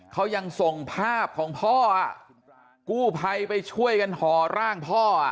เขายังส่งภาพของพ่อกู้ภัยไปช่วยกันห่อร่างพ่อ